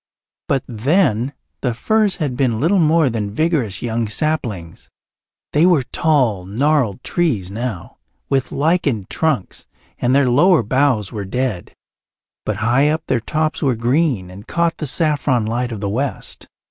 But then the firs had been little more than vigorous young saplings; they were tall, gnarled trees now, with lichened trunks, and their lower boughs were dead. But high up their tops were green and caught the saffron light of the west.